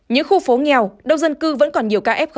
những khu phố nghèo đông dân cư vẫn còn nhiều ca f